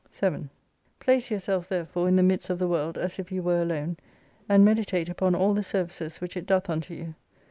7 Place yourself therefore in the midst of the world as if you were alone, and meditate upon all the services which it doth unto you.